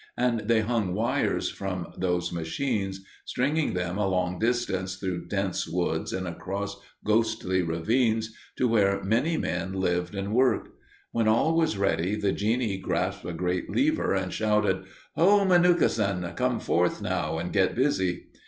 And they hung wires from those machines, stringing them a long distance through dense woods and across ghostly ravines to where many men lived and worked. When all was ready the genie grasped a great lever and shouted, "Ho, Menuhkesen! Come forth now, and get busy!"